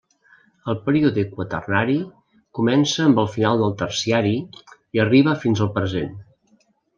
El període quaternari comença amb el final del terciari i arriba fins al present.